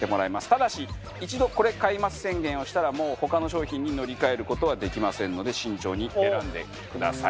ただし一度「これ買います」宣言をしたらもう他の商品に乗り換える事はできませんので慎重に選んでください。